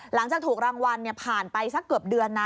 หลังจากถูกรางวัลผ่านไปสักเกือบเดือนนะ